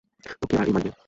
তোকে আর এই মাগীকে!